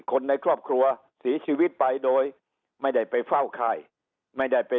คนในครอบครัวเสียชีวิตไปโดยไม่ได้ไปเฝ้าค่ายไม่ได้ไป